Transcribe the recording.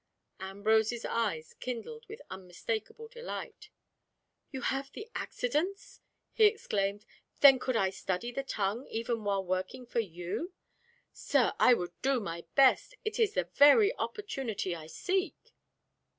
Ambrose's eyes kindled with unmistakable delight. "You have the accidence!" he exclaimed. "Then could I study the tongue even while working for you! Sir, I would do my best! It is the very opportunity I seek."